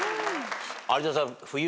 有田さん。